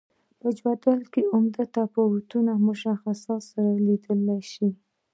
په جدول کې عمده توپیرونه مشخصاتو سره لیدلای شو.